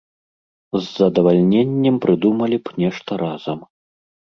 З задавальненнем прыдумалі б нешта разам.